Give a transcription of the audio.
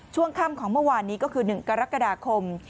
ช่วงค่ำของเมื่อวานนี้ก็คือ๑กรกฎาคม